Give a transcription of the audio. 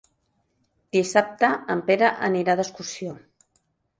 Dissabte en Pere anirà d'excursió.